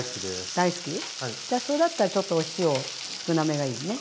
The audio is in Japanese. じゃあそれだったらちょっとお塩少なめがいいね。